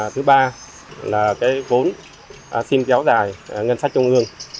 thứ ba là cái vốn xin kéo dài ngân sách trung ương